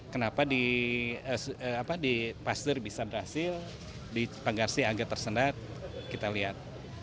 kenapa di pasteur bisa berhasil di pagarsi agak tersendat kita lihat